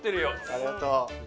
ありがとう。